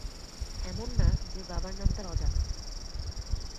এমন না যে বাবার নাম তার অজানা।